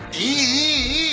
いいいい